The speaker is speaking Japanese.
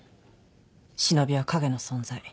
忍びは影の存在。